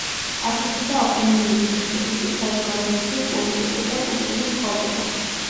აშუქებდა ავტონომიური რესპუბლიკის საზოგადოებრივ-პოლიტიკურ და კულტურულ ცხოვრებას.